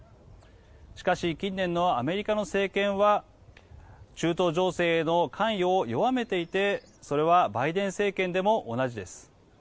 しかし、近年のアメリカの政権は中東情勢への関与を弱めていてそれはバイデン政権でも同じです。